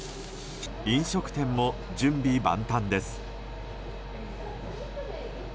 飲食店も準備万端です。